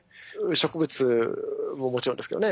植物ももちろんですけどね。